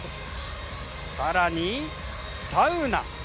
さらに、サウナ。